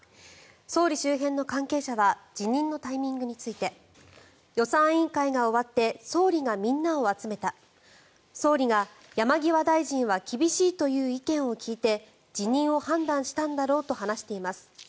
総理周辺の関係者は辞任のタイミングについて予算委員会が終わって総理がみんなを集めた総理が山際大臣は厳しいという意見を聞いて辞任を判断したんだろうと話しています。